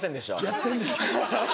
やってんねん。